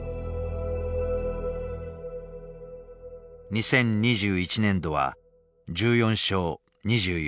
２０２１年度は１４勝２４敗。